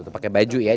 tutup pakai baju ya